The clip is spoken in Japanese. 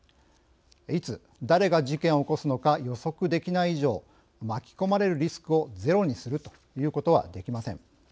いつ誰が事件を起こすのか予測できない以上巻き込まれるリスクをゼロにするということはできません。